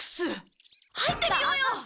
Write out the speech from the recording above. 入ってみようよ！